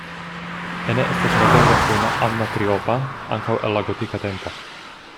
Ene estas madono kun Anna Triopa, ankaŭ el la gotika tempo.